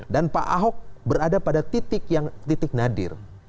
dan pak ahok berada pada titik yang titik nadir